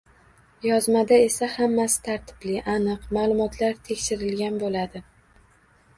Yozmada esa hammasi tartibli, aniq, ma’lumotlar tekshirilgan bo‘ladi.